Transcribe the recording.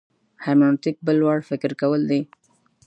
هرمنوتیک بل وړ فکر کول دي.